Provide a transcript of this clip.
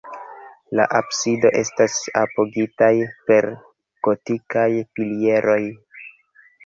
La absido estas apogitaj per gotikaj pilieroj.